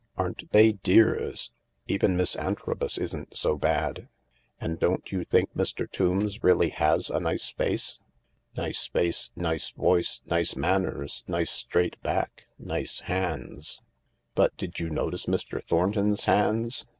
Aren't they dears ? Even Miss Antrobus isn't so bad. And don't you think Mr. Tombs really has a nice face ?" "Nice face, nice voice, nice manners, nice straight back, nice hands." " But did you notice Mr. Thornton's hands